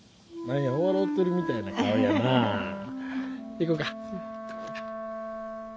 行こか。